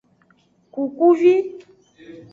Kukuvi.